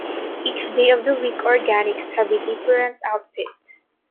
Each day of the week organics have a different outfit.